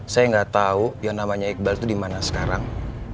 saya nggak tahu yang namanya iqbal itu di mana sekarang